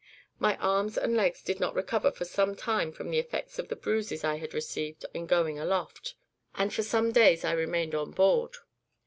My arms and legs did not recover for some time from the effects of the bruises I had received in going aloft, and for some days I remained on board.